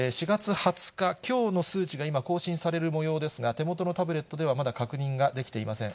４月２０日、きょうの数値が今更新されるもようですが、手元のタブレットではまだ確認ができていません。